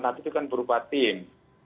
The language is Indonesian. tapi itu kan berupa tim